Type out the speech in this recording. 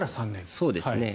そうですね。